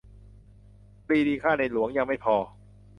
"ปรีดีฆ่าในหลวง !" ยังไม่พอ